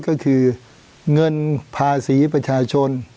ก็คือเงินภาษีประชาชน